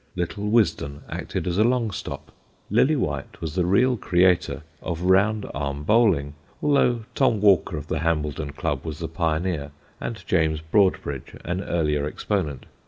Little Wisden acted as a long stop. Lillywhite was the real creator of round arm bowling, although Tom Walker of the Hambledon Club was the pioneer and James Broadbridge an earlier exponent.